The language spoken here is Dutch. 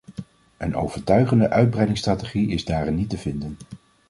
Een overtuigende uitbreidingsstrategie is daarin niet te vinden.